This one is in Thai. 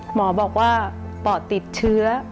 หมอบอกว่าปอดติดเชื้อ